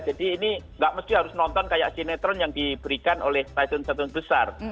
jadi ini enggak harus nonton kayak sinetron yang diberikan oleh stasiun stasiun besar